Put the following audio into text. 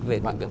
về bản viện